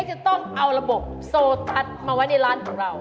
จะต้องเอาระบบโซตัสมาไว้ในร้านของเรา